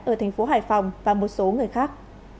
ở thành phố hải phòng và một số người khác